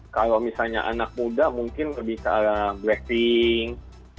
kalau misalnya anak muda mungkin lebih ke arah blackpink